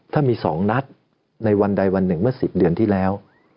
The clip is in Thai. ถ้ามี๒นัดในวันใดวันหนึ่งเมื่อ๑๐เดือนที่แล้ว